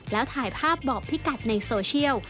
แล้วถ่ายภาพบอกพี่กัดในโซเชียล